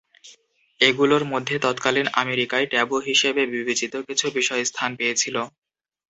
এগুলোর মধ্যে তৎকালীন অ্যামেরিকায় ট্যাবু হিসেবে বিবেচিত কিছু বিষয় স্থান পেয়েছিল।